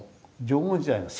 縄文時代の？